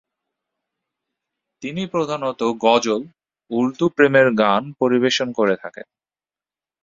তিনি প্রধানত গজল, উর্দু প্রেমের গান পরিবেশন করে থাকেন।